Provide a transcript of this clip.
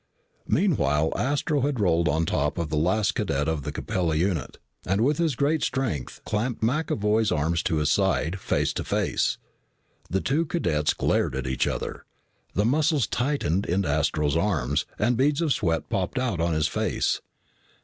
Meanwhile, Astro had rolled on top of the last cadet of the Capella unit, and with his great strength, clamped McAvoy's arms to his side. Face to face, the two cadets glared at each other. The muscles tightened in Astro's arms, and beads of sweat popped out on his face.